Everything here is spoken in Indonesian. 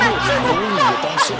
aneh orang indonesia